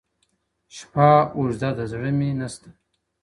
شپه اوږده ده زړه مي نسته